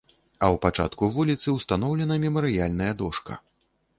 А ў пачатку вуліцы ўстаноўлена мемарыяльная дошка.